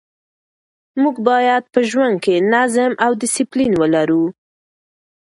موږ باید په ژوند کې نظم او ډسپلین ولرو.